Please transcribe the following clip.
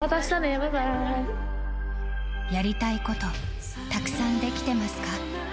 またあしたね、やりたいこと、たくさんできてますか。